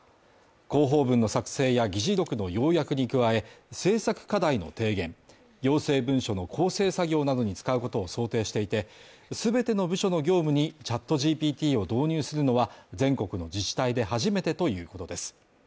広報文の作成や議事録の要約に加え、政策課題の低減、行政文書の校正作業などに使うことを想定していて、全ての部署の業務にＣｈａｔＧＰＴを導入するのは、全国の自治体で初めてということです。